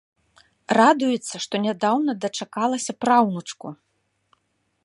Радуецца, што нядаўна дачакалася праўнучку.